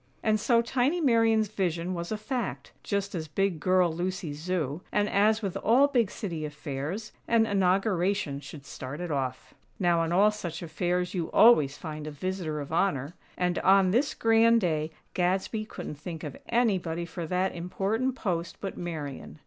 And so tiny Marian's "vision" was a fact; just as "big girl" Lucy's Zoo; and, as with all big City affairs, an Inauguration should start it off. Now, on all such affairs you always find a "visitor of honor"; and on this grand day Gadsby couldn't think of anybody for that important post but Marian.